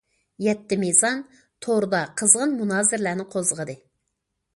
« يەتتە مىزان» توردا قىزغىن مۇنازىرىلەرنى قوزغىدى.